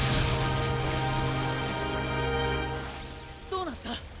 どうなった？